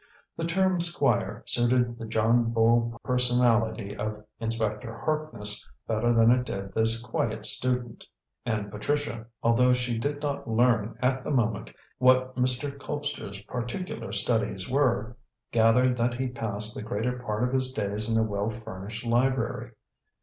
The term "Squire" suited the John Bull personality of Inspector Harkness better than it did this quiet student. And Patricia, although she did not learn at the moment what Mr. Colpster's particular studies were, gathered that he passed the greater part of his days in a well furnished library.